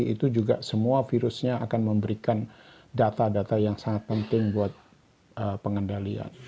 itu juga semua virusnya akan memberikan data data yang sangat penting buat pengendalian